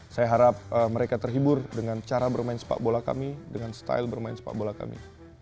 saya harap mereka terhibur dengan cara bermain sepak bola kami dengan style bermain sepak bola kami